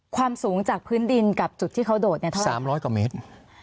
ความสูงจากพื้นดินกับจุดที่เขาโดดเนี่ยเท่าไหร่๓๐๐กว่าเมตร